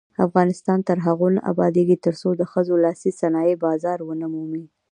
افغانستان تر هغو نه ابادیږي، ترڅو د ښځو لاسي صنایع بازار ونه مومي.